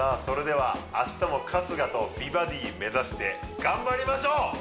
それでは明日も春日と美バディ目指して頑張りましょう！